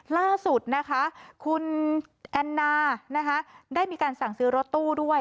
ล่าสุดนะคะคุณแอนนานะคะได้มีการสั่งซื้อรถตู้ด้วย